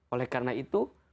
oleh karena itu